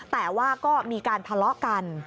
แต่ว่าก็มีการทะเลาะกัน